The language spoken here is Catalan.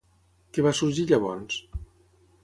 Què va sorgir llavors?